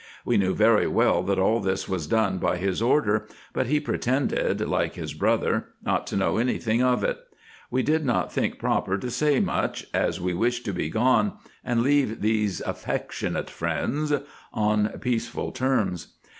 We knew very well that all this was done by his order, but he pretended, like his brother, not to know any thing of it. We did not think proper to say much, as we wished to be gone, and leave these affectionate friends on peaceful terms.